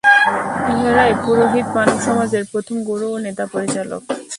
ইঁহারাই পুরোহিত, মানবসমাজের প্রথম গুরু, নেতা ও পরিচালক।